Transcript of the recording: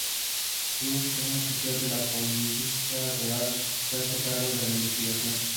Cruz, un oficial de la policía rural, se hace cargo de la investigación.